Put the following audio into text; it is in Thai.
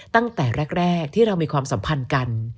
ตั้งแต่แรกที่เรามีความสัมพันธ์กัน